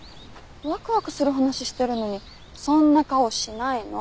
ワクワクする話してるのにそんな顔しないの。